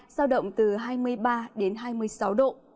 giao động từ hai mươi ba đến hai mươi sáu độ